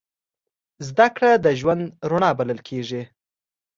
زدهکړه د ژوند رڼا بلل کېږي.